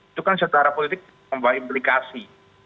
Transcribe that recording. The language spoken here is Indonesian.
itu kan secara politik membawa implikasi